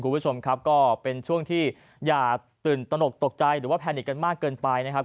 คุณผู้ชมครับก็เป็นช่วงที่อย่าตื่นตนกตกใจหรือว่าแพนิกกันมากเกินไปนะครับ